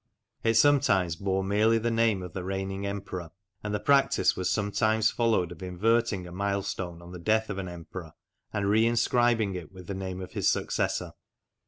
It sometimes bore merely the name of the reigning emperor, and the practice was sometimes followed of inverting a milestone on the death of an emperor and re inscribing it with the name of his successor.